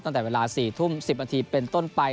ตั้งแต่เวลา๔ทุ่ม๑๐นาทีเป็นต้นไป